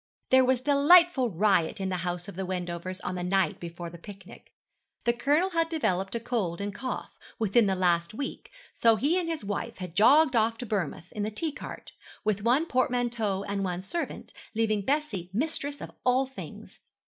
There was delightful riot in the house of the Wendovers on the night before the picnic. The Colonel had developed a cold and cough within the last week, so he and his wife had jogged off to Bournemouth, in the T cart, with one portmanteau and one servant, leaving Bessie mistress of all things.